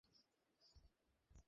বিমল তার কোনো উত্তর করলে না।